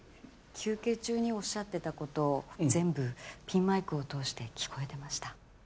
休憩中に仰ってた事全部ピンマイクを通して聞こえてました。